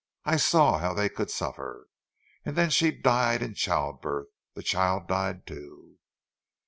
I saw how they could suffer. And then she died in childbirth—the child died, too."